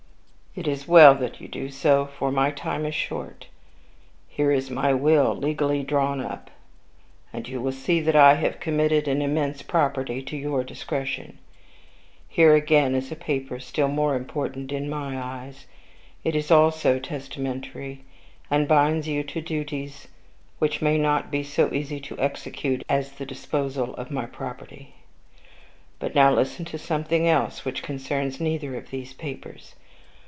"It is well that you do so, for my time is short. Here is my will, legally drawn up, and you will see that I have committed an immense property to your discretion. Here, again, is a paper still more important in my eyes; it is also testamentary, and binds you to duties which may not be so easy to execute as the disposal of my property. But now listen to something else, which concerns neither of these papers.